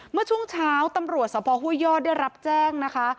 เมื่อช่วงเช้าตำรวจสภห้วยยอดได้รับแจ้งนะคะ